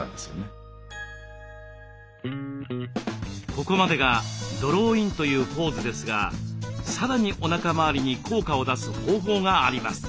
ここまでがドローインというポーズですがさらにおなか回りに効果を出す方法があります。